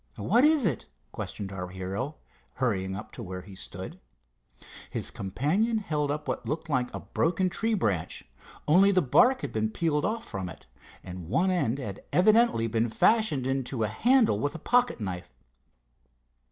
"What is it?" questioned our hero, hurrying up to where he stood. His companion held up what looked like a broken tree branch, only the bark had been peeled off from it, and one end had evidently been fashioned into a handle with a pocket knife.